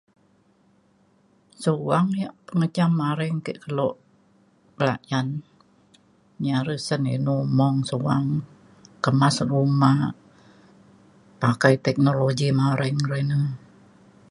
suang ia' menjam aring ake kelo belajan nyi are sen inu mong suang kemas rumah pakai teknologi maring re i'ne